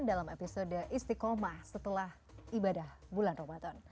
dalam episode istiqomah setelah ibadah bulan ramadan